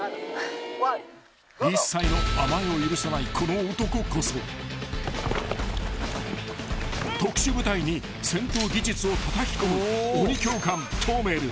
［一切の甘えを許さないこの男こそ特殊部隊に戦闘技術をたたき込む鬼教官］